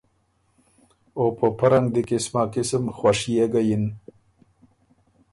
او په پۀ رنګ دی قِسما قِسُم خوشيې ګۀ یِن